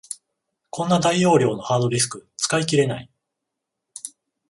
こんな大容量のハードディスク、使い切れない